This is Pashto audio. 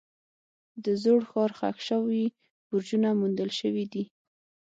د زوړ ښار ښخ شوي برجونه موندل شوي دي.